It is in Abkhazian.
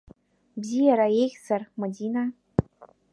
Биазар еиӷьзар, Мадина?